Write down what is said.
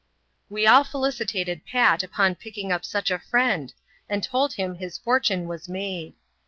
We all felicitated Pat upon picking up such a friend, and told him his fortune was made.